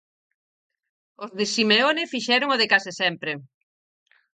Os de Simeone fixeron o de case sempre.